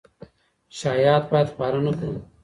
شايعات بايد خپاره نه کړو.